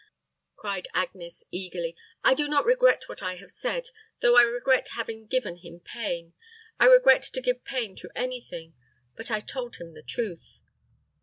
cried Agnes, eagerly. "I do not regret what I have said, though I regret having given him pain I regret to give pain to any thing. But I told him the truth."